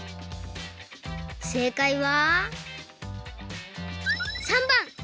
せいかいは３ばん！